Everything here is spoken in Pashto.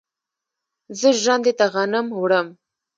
زه ژرندې ته غنم وړم.